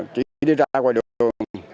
chỉ đi ra ngoài đường